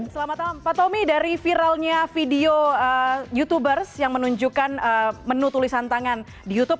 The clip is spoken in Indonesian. selamat malam pak tommy dari viralnya video youtubers yang menunjukkan menu tulisan tangan di youtube